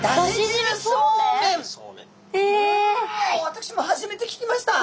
私も初めて聞きました。